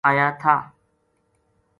آیا تھا